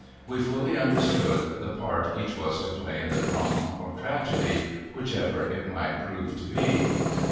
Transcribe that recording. We fully understood the part each was to play in the drama, or tragedy whichever it might prove to be.